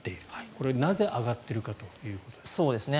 これ、なぜ上がっているかということです。